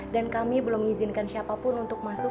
dan kami belum izinkan siapapun untuk masuk